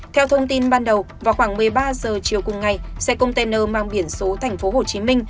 theo thông tin ban đầu vào khoảng một mươi ba giờ chiều cùng ngày xe công ty mang biển số tp hcm